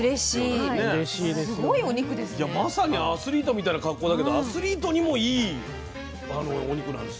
まさにアスリートみたいな格好だけどアスリートにもいいお肉なんですね。